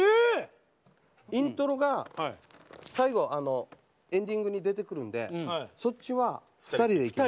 イントロが最後エンディングに出てくるんでそっちは２人で。